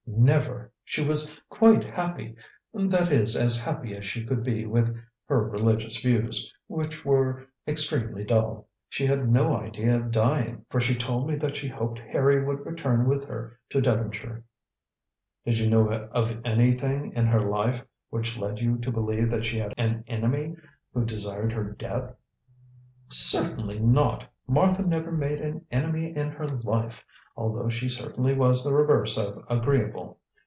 "Never! She was quite happy that is, as happy as she could be with her religious views, which were extremely dull. She had no idea of dying, for she told me that she hoped Harry would return with her to Devonshire." "Did you know of anything in her life which led you to believe that she had an enemy who desired her death." "Certainly not! Martha never made an enemy in her life, although she certainly was the reverse of agreeable.